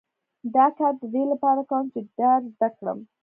دا کار د دې لپاره کوم چې ډار زده کړم